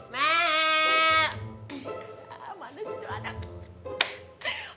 mana sih tuh anak